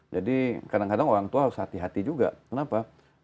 jadi kadang kadang orang tua harus hati hati juga kenapa